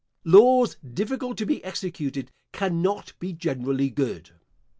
Laws difficult to be executed cannot be generally good.